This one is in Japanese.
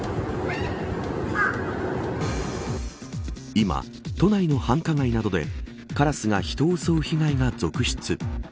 今、都内の繁華街などでカラスが人を襲う被害が続出。